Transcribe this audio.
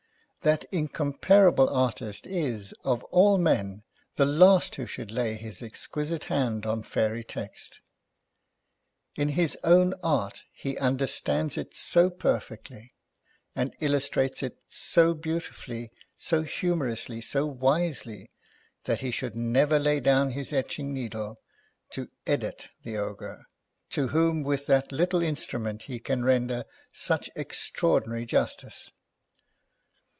That incomparable artist is, of all men, the last who should lay his exquisite hand on fairy text. In his own art he understands it so perfectly, and illustrates it so beautifully, so humorously, so wisely, that he should never lay down his etching needle to " edit " the Ogre, to whom with that little instru ment he can render such extraordinary justice.